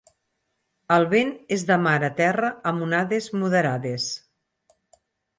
El vent és de mar a terra amb onades moderades.